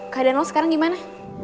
keadaan lo sekarang gimana